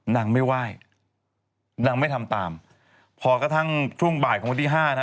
นางไม่ไหว้นางไม่ทำตามพอกระทั่งช่วงบ่ายของวันที่ห้านะ